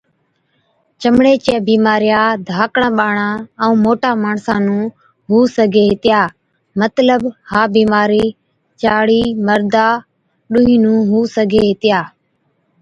چمڙي چِيا بِيمارِيا ڌاڪڙان ٻاڙان ائُون موٽان ماڻسان نُون هُو سِگھَي هِتِيا (مطلب ها بِيمارِي چاڙي مردا ڏُونهِين نُون هُو سِگھَي هِتِيا)